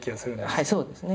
はいそうですね。